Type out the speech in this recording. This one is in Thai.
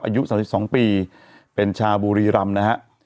อายุ๓๒ปีเป็นชาวบุรีรำนะฮะ